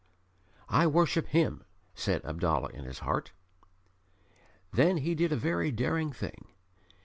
"I worship Him," said Abdallah in his heart. Then he did a very daring thing.